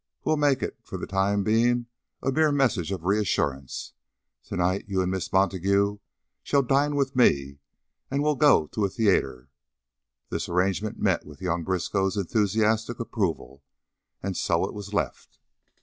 We'll make it, for the time being, a mere message of reassurance. To night you and Miss Montague shall dine with me and we'll go to a theater." This arrangement met with young Briskow's enthusiastic approval, and so it was left.